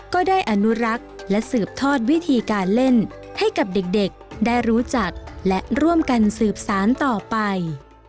ก็ได้อนุรักษ์และสืบทอดวิธีการเล่นให้กับเด็กได้รู้จักและร่วมกันสืบสารต่อไป